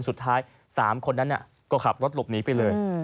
สุดท้าย๓คนนั้นก็ขับรถหลบหนีไปเลย